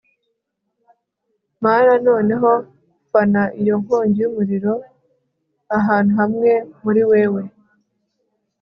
mana noneho fana iyo nkongi yumuriro ahantu hamwe muri wewe